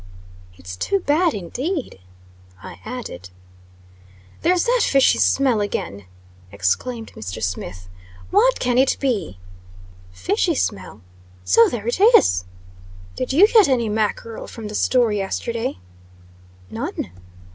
"It is too bad, indeed," I added. "There's that fishy smell again!" exclaimed Mr. Smith. "What can it be?" "Fishy smell! So there is." "Did you get any mackerel from the store yesterday?" "None."